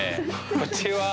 こっちは。